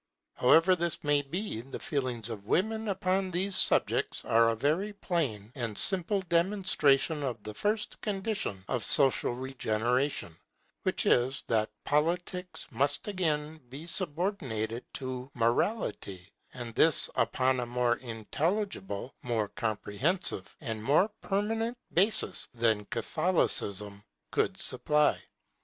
However this may be, the feelings of women upon these subjects are a very plain and simple demonstration of the first condition of social regeneration, which is, that Politics must again be subordinated to Morality; and this upon a more intelligible, more comprehensive, and more permanent basis than Catholicism could supply.